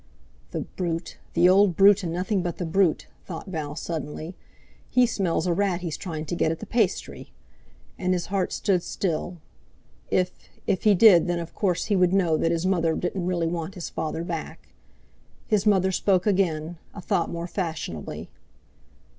"The brute! The old brute, and nothing but the brute!" thought Val suddenly. "He smells a rat he's trying to get at the pastry!" And his heart stood still. If—if he did, then, of course, he would know that his mother didn't really want his father back. His mother spoke again, a thought more fashionably.